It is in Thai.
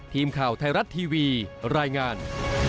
ทีมข่าวไทยรัฐทีวีรายงาน